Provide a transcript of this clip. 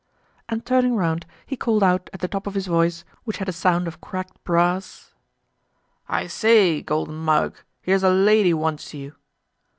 And turning round he called out at the top of his voice, which had a sound of cracked brass: "I say Golden Mug, here's a lady wants you!"